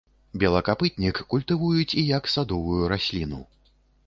Белакапытнік культывуюць і як садовую расліну.